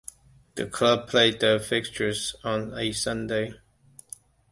The club play their fixtures on a Sunday.